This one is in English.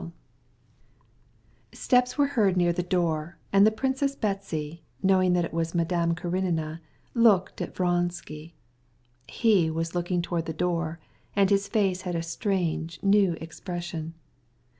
Chapter 7 Steps were heard at the door, and Princess Betsy, knowing it was Madame Karenina, glanced at Vronsky. He was looking towards the door, and his face wore a strange new expression.